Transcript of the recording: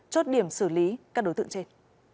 chốt điểm xử lý các đối tượng trên